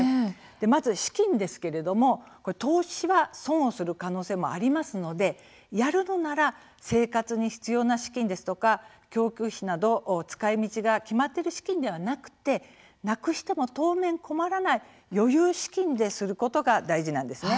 まず資金ですけれども、投資は損をする可能性もありますのでやるのなら生活に必要な資金ですとか、教育費など使いみちが決まっている資金ではなくてなくしても当面困らない余裕資金ですることが大事なんですね。